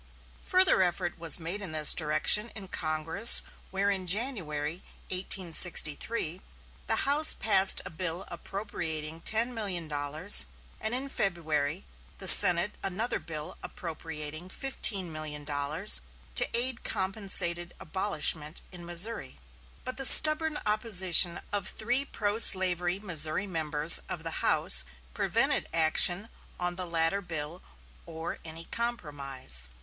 Further effort was made in this direction in Congress, where in January, 1863, the House passed a bill appropriating ten million dollars, and in February, the Senate another bill appropriating fifteen million dollars to aid compensated abolishment in Missouri. But the stubborn opposition of three pro slavery Missouri members of the House prevented action on the latter bill or any compromise.